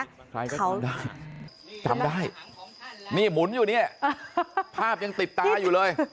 ใครก็หมุนได้จำได้นี่หมุนอยู่เนี่ยภาพยังติดตาอยู่เลย